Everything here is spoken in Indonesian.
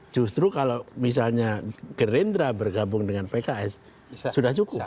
justru kalau misalnya gerindra bergabung dengan pks sudah cukup